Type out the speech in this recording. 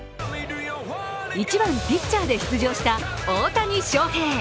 １番ピッチャーで出場した大谷翔平。